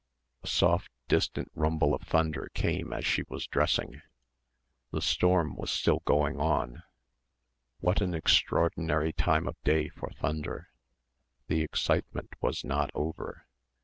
A soft distant rumble of thunder came as she was dressing.... The storm was still going on ... what an extraordinary time of day for thunder ... the excitement was not over